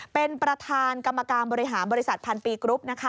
เป็นประธานกรรมการบริหารบริษัทพันปีกรุ๊ป